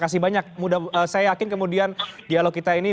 saya yakin kemudian dialog kita ini